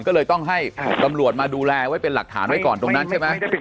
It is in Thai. ก็เลยต้องให้ตำรวจมาดูแลไว้เป็นหลักฐานไว้ก่อนตรงนั้นใช่ไหม